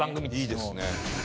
いいですね。